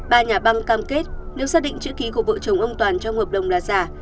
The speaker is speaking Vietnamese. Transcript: ba nhà băng cam kết nếu xác định chữ ký của vợ chồng ông toàn trong hợp đồng là giả